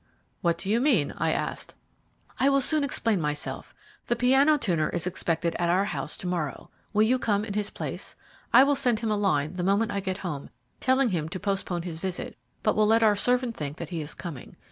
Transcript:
"What do you mean?" I asked. "I will soon explain myself. The piano tuner is expected at our house to morrow. Will you come in his place? I will send him a line the moment I get home, telling him to postpone his visit, but will let our servant think that he is coming.